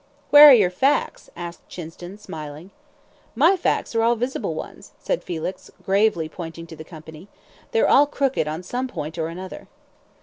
"Where are your facts?" asked Chinston, smiling. "My facts are all visible ones," said Felix, gravely pointing to the company. "They're all crooked on some point or another."